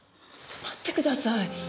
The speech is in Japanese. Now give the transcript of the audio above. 待ってください。